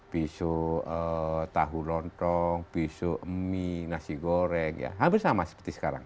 besok tahu lontong besok mie nasi goreng ya hampir sama seperti sekarang